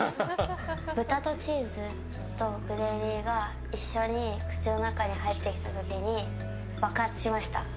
豚とチーズとグレービーが一緒に口の中に入ってきた時に爆発しました。